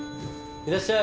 いらっしゃい